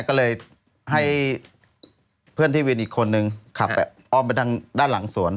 ก็เลยให้เพื่อนที่วินอีกคนนึงขับอ้อมไปทางด้านหลังสวน